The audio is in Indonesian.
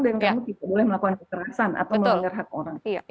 itu yang kamu bisa melakukan kekerasan atau melanggar hak orang